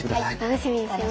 楽しみにしてます。